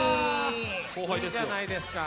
いいじゃないですか。